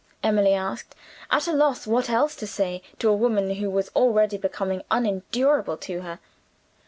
Emily asked, at a loss what else to say to a woman who was already becoming unendurable to her.